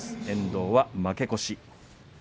遠藤は負け越し。